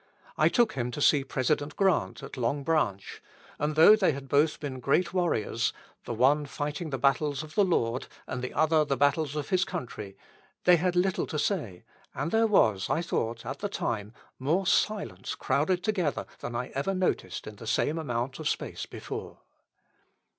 I took him to see President Grant at Long Branch, and though they had both been great warriors, the one fighting the battles of the Lord and the other the battles of his country, they had little to say, and there was, I thought, at the time, more silence crowded together than I ever noticed in the same amount of space before.